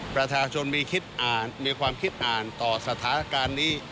ประชาชนมีความคิดอ่านต่อสถานการณ์นี้